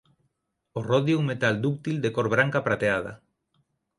O rodio é un metal dúctil de cor branca prateada.